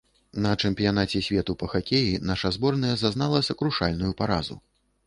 На чэмпіянаце свету па хакеі наша зборная зазнала сакрушальную паразу.